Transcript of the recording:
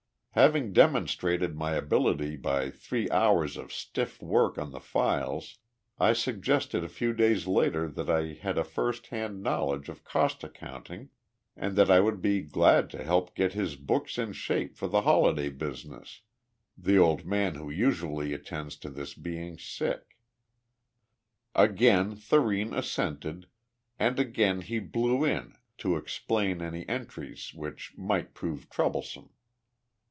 "Having demonstrated my ability by three hours of stiff work on the files, I suggested a few days later that I had a first hand knowledge of cost accounting and that I would be glad to help get his books in shape for the holiday business, the old man who usually attends to this being sick. Again Thurene assented and again he blew in, 'to explain any entries which might prove troublesome.'